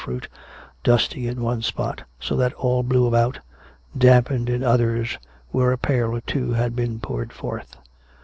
237 fruit, — dusty in one spot, so that all blew about — dampened in others where a pail or two had been poured forth.